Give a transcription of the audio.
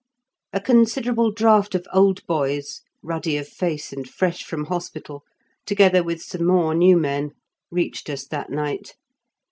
A considerable draft of "old boys," ruddy of face and fresh from hospital, together with some more new men reached us that night.